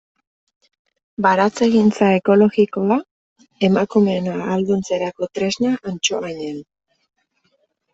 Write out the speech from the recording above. Baratzegintza ekologikoa emakumeen ahalduntzerako tresna Antsoainen.